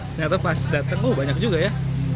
ternyata pas datang tuh banyak juga ya